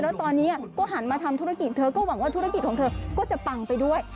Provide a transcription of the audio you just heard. แล้วตอนนี้ก็หันมาทำธุรกิจเธอก็หวังว่าธุรกิจของเธอก็จะปังไปด้วย